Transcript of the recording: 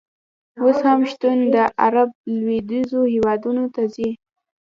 اوس هم شتمن عر ب لویدیځو هېوادونو ته ځي.